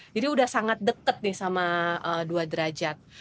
jadi udah sangat deket nih sama dua derajat